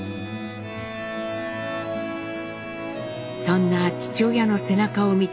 そんな父親の背中を見て育った晃は